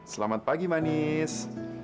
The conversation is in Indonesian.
selamat pagi manis